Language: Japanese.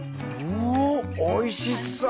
おっおいしそう。